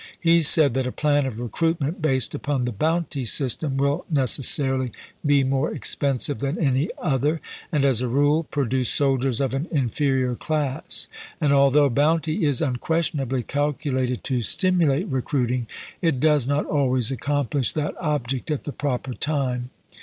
He said that a plan of recruitment based upon the bounty system will necessarily be more expensive than any other, and, as a rule, pro duce soldiers of an inferior class; and, although bounty is unquestionably calculated to stimulate recruiting, it does not always accomplish that object at the proper time.